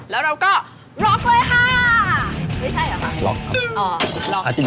แล้วเราก็บล็อกเลยค่ะไม่ใช่เหรอคะ